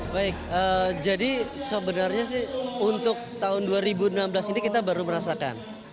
baik jadi sebenarnya sih untuk tahun dua ribu enam belas ini kita baru merasakan